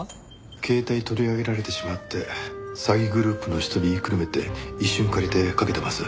携帯取り上げられてしまって詐欺グループの一人言いくるめて一瞬借りてかけてます。